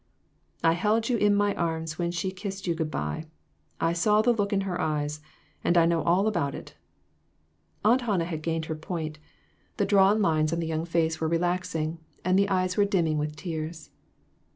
I held you in my arms when she kissed you good by ; I saw the look in her eyes, and I know all about it." Aunt Hannah had gained her point ; the drawn 4iO INTUITIONS. lines on the young face were relaxing, and the eyes were dimming with tears.